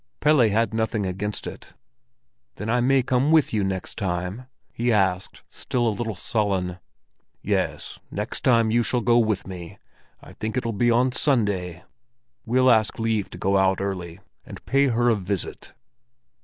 Pelle had nothing against it. "Then may I come with you next time?" he asked, still a little sullen. "Yes, next time you shall go with me. I think it'll be on Sunday. We'll ask leave to go out early, and pay her a visit."